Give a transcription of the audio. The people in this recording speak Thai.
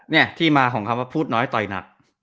เนี่ยที่มาของคำว่าพูดน้อยต่อยหนัก